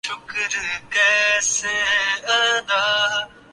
یہ ایسا ہی ایک خوشگوار دن تھا۔